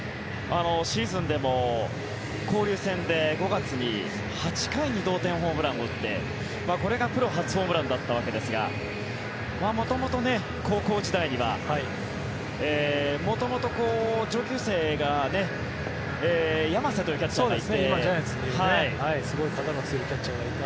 シーズンでも交流戦で５月に８回に同点ホームランを打ってこれがプロ初ホームランだったわけですが元々、高校時代には元々、上級生が山瀬というキャッチャーがいて。